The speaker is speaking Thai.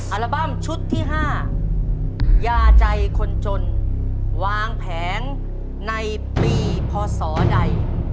อัลบั้มชุดที่๕ยาใจคนจนวางแผงในปีพศใด